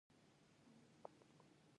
که افغانیت کې ویاړ نه و، ولې جګړې روانې دي؟